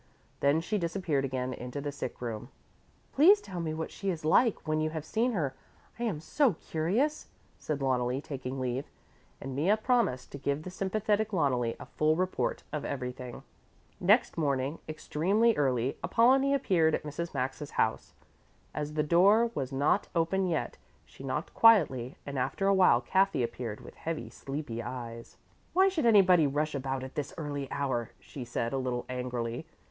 Then she disappeared again into the sick room. "Please tell me what she is like, when you have seen her. I am so curious," said Loneli, taking leave, and Mea promised to give the sympathetic Loneli a full report of everything. Next morning extremely early Apollonie appeared at Mrs. Maxa's house. As the door was not open yet, she knocked quietly and after a while Kathy appeared with heavy, sleepy eyes. "Why should anybody rush about at this early hour," she said a little angrily.